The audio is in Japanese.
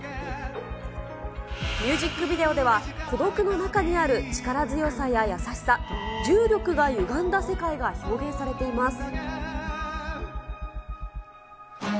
ミュージックビデオでは、孤独の中にある力強さや優しさ、重力がゆがんだ世界が表現されています。